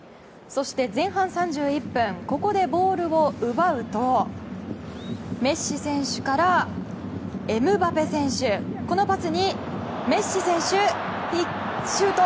前半３１分、ここでボールを奪うとメッシ選手からエムバペ選手、このパスにメッシ選手、シュート。